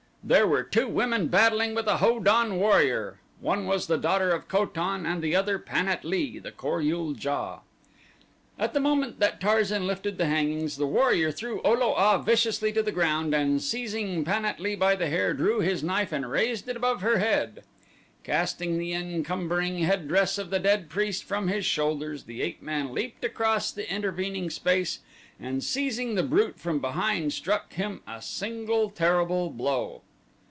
There were two women battling with a Ho don warrior. One was the daughter of Ko tan and the other Pan at lee, the Kor ul JA. At the moment that Tarzan lifted the hangings, the warrior threw O lo a viciously to the ground and seizing Pan at lee by the hair drew his knife and raised it above her head. Casting the encumbering headdress of the dead priest from his shoulders the ape man leaped across the intervening space and seizing the brute from behind struck him a single terrible blow.